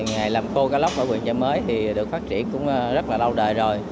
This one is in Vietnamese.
ngày làm khô cá lóc ở quyền chợ mới thì được phát triển cũng rất là lâu đời rồi